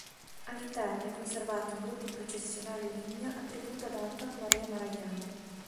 All'interno è conservato un gruppo processionale ligneo attribuito ad Anton Maria Maragliano.